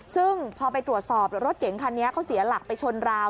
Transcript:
ซึ่งพอไปตรวจสอบรถเก๋งคันนี้เขาเสียหลักไปชนราว